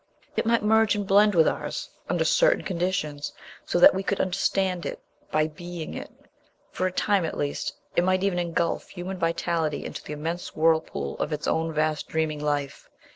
It might merge and blend with ours under certain conditions, so that we could understand it by being it, for a time at least. It might even engulf human vitality into the immense whirlpool of its own vast dreaming life.